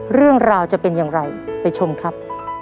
เรื่องราวจะเป็นอย่างไรไปชมครับ